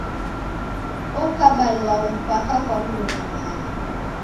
Okaba lwau mpaka kwa mruna mae.